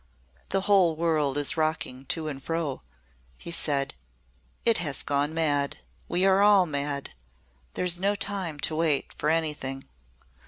"The whole world is rocking to and fro," he said. "It has gone mad. We are all mad. There is no time to wait for anything."